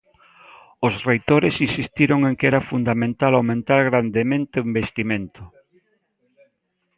Os reitores insistiron en que era fundamental aumentar grandemente o investimento.